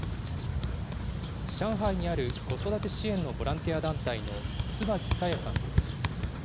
上海にある子育て支援のボランティア団体の椿早矢さんです。